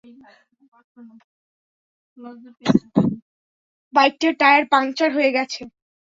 বাইকটার tyre puncture হয়ে গেছে।